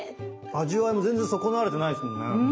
味は全然損なわれてないですもんね。